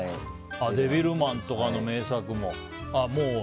「デビルマン」とかの名作も。